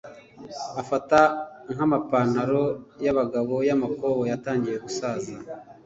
afata nk'amapantalo y'abagabo y'amakoboyi atangiye gusaza